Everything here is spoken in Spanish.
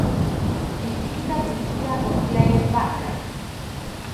Escrita y dirigida por Clive Barker.